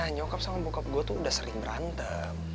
nyokap sama bokap gue tuh udah sering berantem